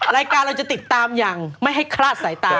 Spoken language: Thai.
รายการเราจะติดตามอย่างไม่ให้คลาดสายตา